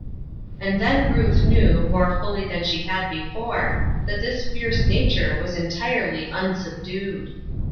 And then Ruth knew, more fully than she had before, that this fierce nature was entirely unsubdued.